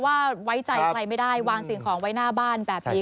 ว่าไว้ใจใครไม่ได้วางสิ่งของไว้หน้าบ้านแบบนี้